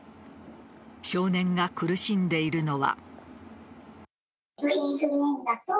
少年が苦しんでいるのは。